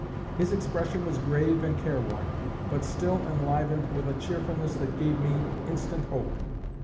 His expression was grave and care worn, but still enlivened with a cheerfulness that gave me instant hope.